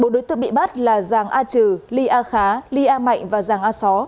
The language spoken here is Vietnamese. bốn đối tượng bị bắt là giàng a trừ ly a khá ly a mạnh và giàng a só